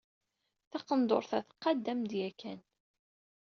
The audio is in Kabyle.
Taqendurt-a tqadd-am dayen kan!